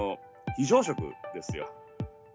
非常食ですよ。